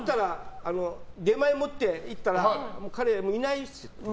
出前を持って行ったら彼はいないんですよ。